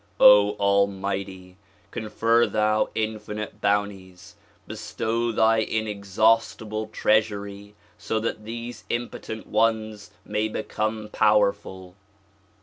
O Almighty! Confer thou infinite bounties. Bestow thy in exhaustible treasury so that these impotent ones may become powerful.